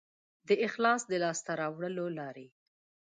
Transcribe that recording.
د اخلاص د لاسته راوړلو لارې